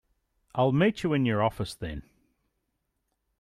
I'll meet you in your office then.